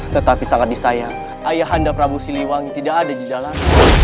tetapi sangat disayang ayahanda prabu siliwangi tidak ada di dalam